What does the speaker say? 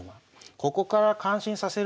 ここから感心させる順でした。